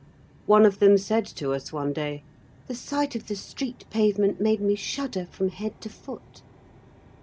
One of them said to us one day, "The sight of the street pavement made me shudder from head to foot."